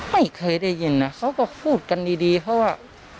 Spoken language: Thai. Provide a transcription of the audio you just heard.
ไม่เคยได้ยินนะเขาก็พูดกันดีเพราะว่า